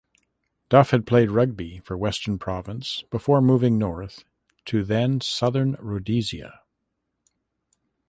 Duff had played rugby for Western Province before moving north to then Southern Rhodesia.